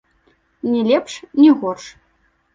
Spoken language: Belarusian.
Ні лепш, ні горш.